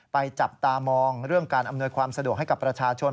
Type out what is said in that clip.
จับตามองเรื่องการอำนวยความสะดวกให้กับประชาชน